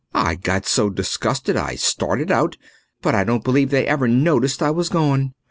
I got so disgusted I started out, but I don't believe they ever noticed I was gone.